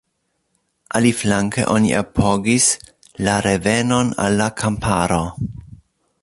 Aliflanke oni apogis “la revenon al la kamparo”.